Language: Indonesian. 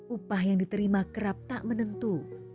upah yang diterima kerap tak menentu